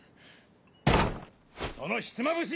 そのひつまぶし